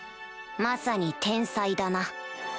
まさに天災だな